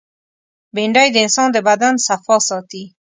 بېنډۍ د انسان د بدن صفا ساتي